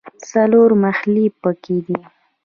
څلور محلې په کې دي.